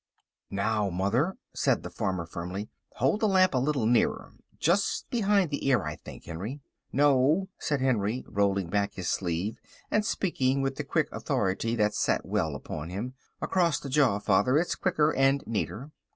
"Now, mother," said the farmer firmly, "hold the lamp a little nearer; just behind the ear, I think, Henry." "No," said Henry, rolling back his sleeve and speaking with the quick authority that sat well upon him, "across the jaw, father, it's quicker and neater."